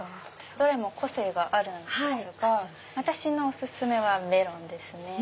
どれも個性があるんですが私のお薦めはメロンです。